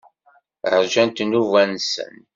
Ṛjant nnuba-nsent.